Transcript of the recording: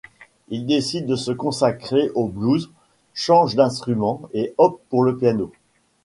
Il décide de se consacrer au blues, change d'instrument et opte pour le piano.